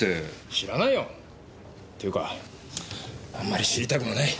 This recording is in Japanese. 知らないよ！っていうかあんまり知りたくもない。